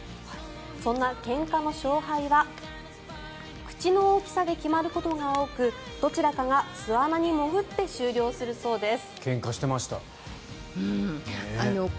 そんなけんかの勝敗は口の大きさで決まることが多くどちらかが巣穴に潜って終了するそうです。